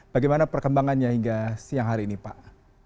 bagaimana perkembangannya hingga siang hari ini pak